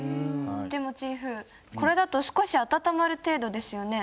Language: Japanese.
でもチーフこれだと少し温まる程度ですよね。